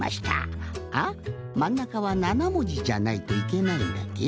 まんなかは７もじじゃないといけないんだっけ？